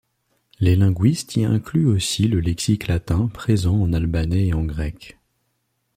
Les linguistes y incluent aussi le lexique latin présent en albanais et en grec.